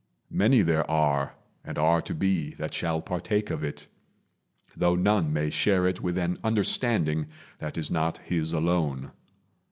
Many there are, And are to be, that shall partake of it, Though none may share it with an understanding That is not his alone.